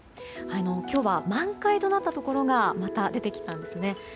今日は満開となったところがまた出てきたんですね。